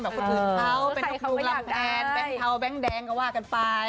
แบบคนอื่นเขาเป็นครูกรัมแพนแบงก์เทาแบงก์แดงก็ว่ากันไป